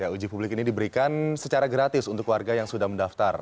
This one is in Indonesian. uji publik ini diberikan secara gratis untuk warga yang sudah mendaftar